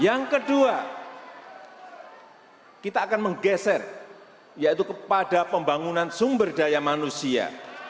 yang kedua kita akan menggeser yaitu kepada pembangunan sumber daya manusia